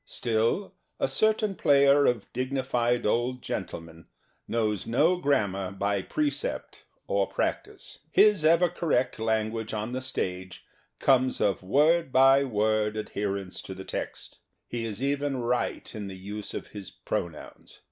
Still, a certain player of dignified old gentle men knows no grammar by precept or practice. His ever correct language on the stage comes of word by word ad herence to the text. He is even right in the use of his pronouns.